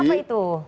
artinya apa itu